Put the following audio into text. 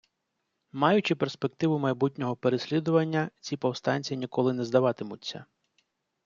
Маючи перспективу майбутнього переслідування, ці повстанці ніколи не здаватимуться.